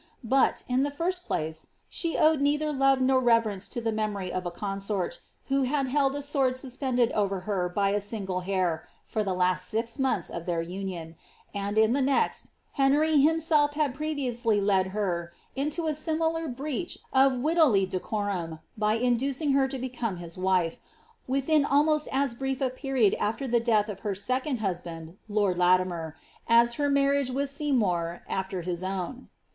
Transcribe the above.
But, in the first place, she owed neither love nor reverence to the memory of a consort, who had held a sword suspended over her by a single hair for tlie last six months of their union ; and, in the next, Henry himself had previously led her into a similar breach of widowly deco niui, by inducing her to become his wife, within almost as brief a period after the death of her second husband, lord Latimer, as her marriage, with Seymour, after his own.